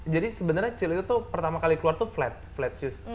jadi sebenernya chill itu pertama kali keluar tuh flat flat shoes